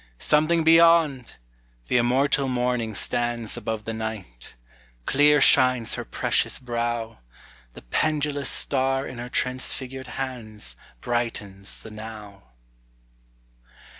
Something beyond! The immortal morning stands Above the night; clear shines her precious brow; The pendulous star in her transfigured hands Brightens the Now.